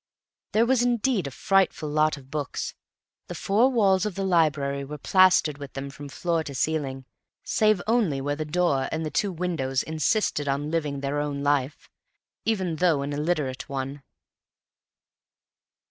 There was indeed a "frightful lot" of books. The four walls of the library were plastered with them from floor to ceiling, save only where the door and the two windows insisted on living their own life, even though an illiterate one.